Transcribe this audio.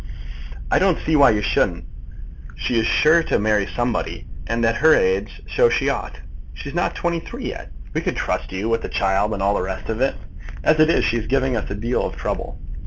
"I don't see why you shouldn't. She is sure to marry somebody, and at her age so she ought. She's not twenty three yet. We could trust you, with the child and all the rest of it. As it is, she is giving us a deal of trouble."